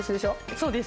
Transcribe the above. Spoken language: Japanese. そうです。